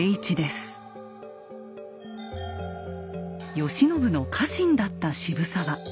慶喜の家臣だった渋沢。